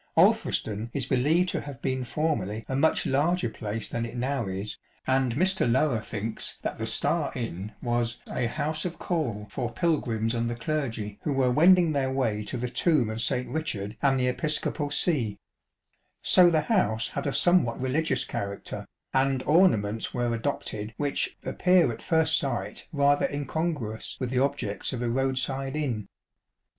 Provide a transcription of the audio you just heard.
Alfriston is believed to have been formerly a much larger place than it now is, and Mr. Lower thinks that the Star Inn was " a house of call for pilgrims and the clergy who were wending their way to the tomb of St. Richard and the 76 Field Paths and Green Lanes. ch. vt. Episcopal See." So the house had a somewhat religions character, and ornaments were adopted which " appear at first sight rather incongruous with the objects of a road side inn."